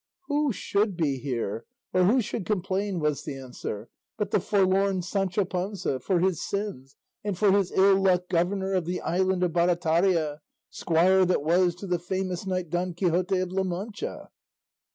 "Who should be here, or who should complain," was the answer, "but the forlorn Sancho Panza, for his sins and for his ill luck governor of the island of Barataria, squire that was to the famous knight Don Quixote of La Mancha?"